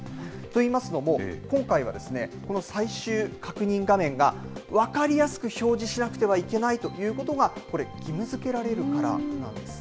といいますのも、今回は、この最終確認画面が分かりやすく表示しなくてはいけないということが、これ、義務づけられるからなんです。